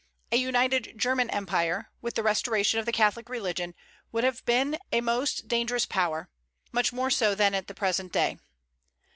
A united German Empire, with the restoration of the Catholic religion, would have been a most dangerous power, much more so than at the present day.